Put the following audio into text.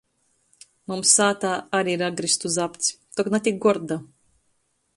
Mums sātā ari ir agruzdu zapts, tok na tik gorda.